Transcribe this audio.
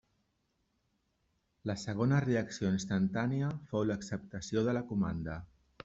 La segona reacció instantània fou l'acceptació de la comanda.